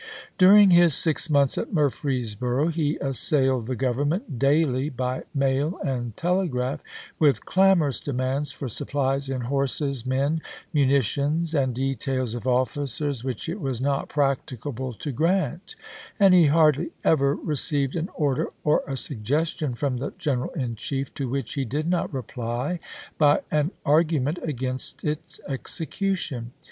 During his six months at Murf reesboro, he assailed the Government daily by mail and telegraph with clamorous demands for supplies in horses, men, munitions, and details of officers which it was not practicable to grant ; and he hardly ever received an order or a suggestion from the General in Chief to which he did not reply by an argument against its execution.